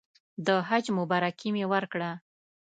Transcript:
د حج مبارکي مې ورکړه.